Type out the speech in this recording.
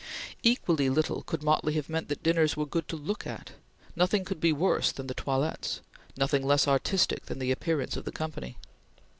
Equally little could Motley have meant that dinners were good to look at. Nothing could be worse than the toilettes; nothing less artistic than the appearance of the company.